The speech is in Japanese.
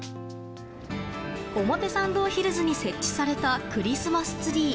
表参道ヒルズに設置されたクリスマスツリー。